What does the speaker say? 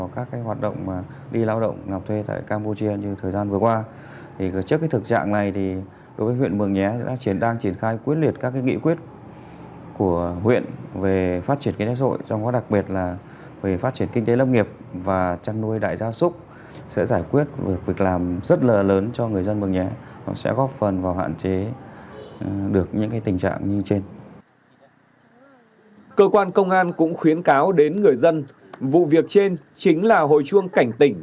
cơ quan công an cũng khuyến cáo đến người dân vụ việc trên chính là hội chuông cảnh tỉnh